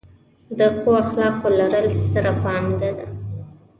د ښو اخلاقو لرل، ستره پانګه ده.